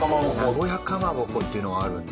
名古屋かまぼこっていうのがあるんだ。